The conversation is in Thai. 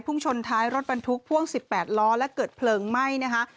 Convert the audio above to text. ชนท้ายรถบรรทุกพ่วง๑๘ล้อและเกิดเพลิงไหม้นะคะ